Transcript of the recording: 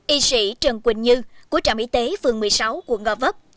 y sĩ trần quỳnh như của trạm y tế phường một mươi sáu quận ngò vấp